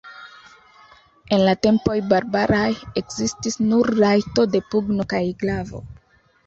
En la tempoj barbaraj ekzistis nur rajto de pugno kaj glavo.